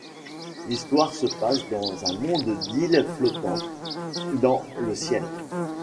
L'histoire se passe dans un monde d'îles flottant dans le Ciel.